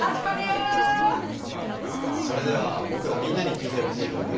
それではぼくがみんなにきいてほしいきょく